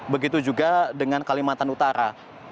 begitu juga dengan kalimantan utara